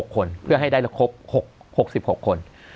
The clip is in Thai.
๖คนเพื่อให้ได้ครบ๖๖คน